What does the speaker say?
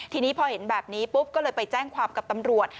ทีนี้พอเห็นแบบนี้ปุ๊บก็เลยไปแจ้งความกับตำรวจ